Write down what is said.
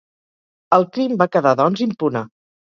El crim va quedar, doncs, impune.